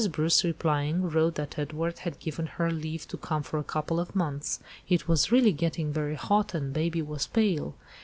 Bruce, replying, wrote that Edward had given her leave to come for a couple of months. It was really getting very hot and baby was pale.